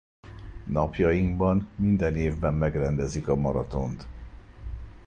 Napjainkban minden évben megrendezik a maratont.